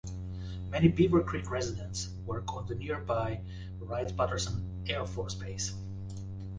Many Beavercreek residents work on the nearby Wright-Patterson Air Force Base.